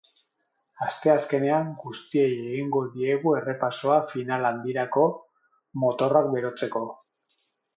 Asteazkenean, guztiei egingo diegu errepasoa final handirako motorrak berotzeko.